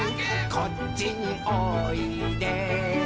「こっちにおいで」